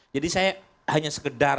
jadi saya hanya sekedar